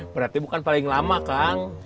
berarti bukan paling lama kan